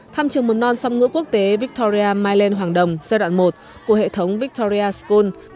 thăm trường mùa non song ngữ quốc tế victoria mai lên hoàng đồng giai đoạn một của hệ thống victoria school